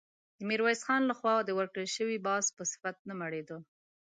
د ميرويس خان له خوا د ورکړل شوي باز په صفت نه مړېده.